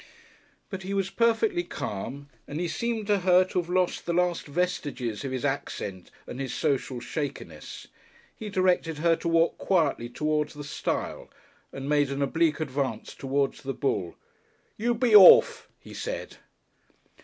But he was perfectly calm, and he seemed to her to have lost the last vestiges of his accent and his social shakiness. He directed her to walk quietly towards the stile, and made an oblique advance towards the bull. "You be orf!" he said....